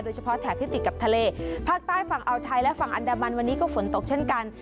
แถบที่ติดกับทะเลภาคใต้ฝั่งอาวไทยและฝั่งอันดามันวันนี้ก็ฝนตกเช่นกัน